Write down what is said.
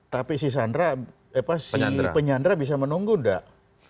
tapi si penyandra bisa menunggu tidak